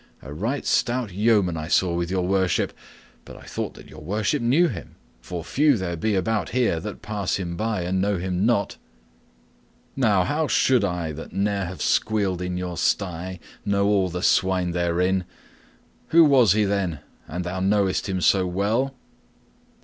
A right stout yeoman I saw with Your Worship, but I thought that Your Worship knew him, for few there be about here that pass him by and know him not." "Now, how should I, that ne'er have squealed in your sty, know all the swine therein? Who was he, then, an thou knowest him so well?"